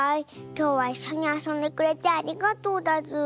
きょうはいっしょにあそんでくれてありがとうだズー。